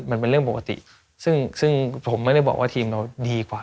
มันเป็นเรื่องปกติซึ่งผมไม่ได้บอกว่าทีมเราดีกว่า